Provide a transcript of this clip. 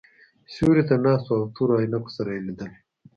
سیوري ته ناست وو او تورو عینکو سره یې لیدل.